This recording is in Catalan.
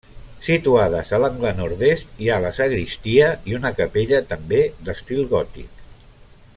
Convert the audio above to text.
Situades a l'angle nord-est hi ha la sagristia i una capella, també d'estil gòtic.